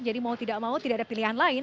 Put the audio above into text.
jadi mau tidak mau tidak ada pilihan lain